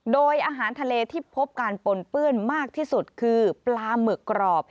โดยอาหารทะเลที่พบการปนเปื้อนมากที่สุดคือปลาหมึกกรอบ